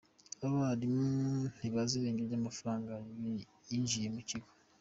Abarimu ntibazi irengero ry’amafaranga yinjira mu kigo.